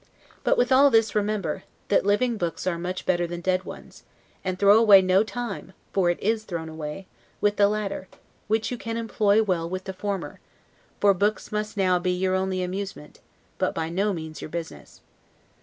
But with all this, remember, that living books are much better than dead ones; and throw away no time (for it is thrown away) with the latter, which you can employ well with the former; for books must now be your only amusement, but, by no means your business.